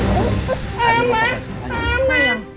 bapak apa nih